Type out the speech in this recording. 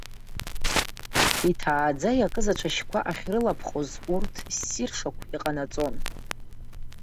Иҭааӡа иакыз ацәашьқәа ахьрылаԥхоз урҭ ссиршәақәа иҟанаҵон.